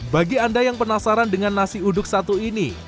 bagi anda yang penasaran dengan nasi uduk satu ini